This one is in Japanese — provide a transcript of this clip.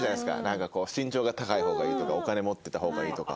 なんか身長が高い方がいいとかお金持ってた方がいいとか。